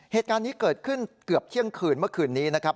เหตุการณ์นี้เกิดขึ้นเกือบเที่ยงคืนเมื่อคืนนี้นะครับ